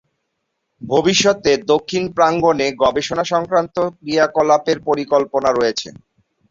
ভবিষ্যতে দক্ষিণ প্রাঙ্গণে গবেষণা সংক্রান্ত ক্রিয়াকলাপের পরিকল্পনা রয়েছে।